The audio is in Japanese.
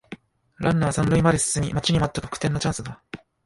ランナー三塁まで進み待ちに待った得点のチャンスだ